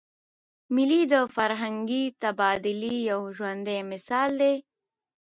مېلې د فرهنګي تبادلې یو ژوندى مثال دئ.